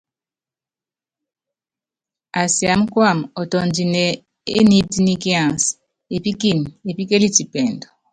Asiámá kuamɛ ɔtɔndini é niitníkiansɛ, epíkini epíkeliti pɛɛndu.